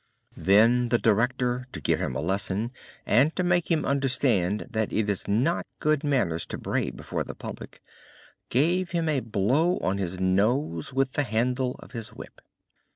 Then the director, to give him a lesson, and to make him understand that it is not good manners to bray before the public, gave him a blow on his nose with the handle of his whip.